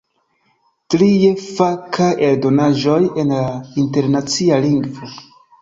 Trie, fakaj eldonaĵoj en la internacia lingvo.